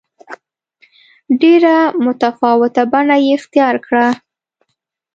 ډېره متفاوته بڼه یې اختیار کړه.